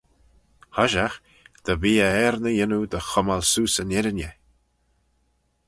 Hoshiaght, dy bee eh er ny yannoo dy chummal seose yn irriney.